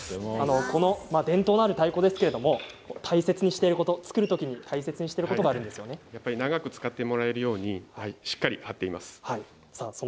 伝統のある太鼓ですけれど作るときに大切にしていることが長く使ってもらえるようにしっかり張っています。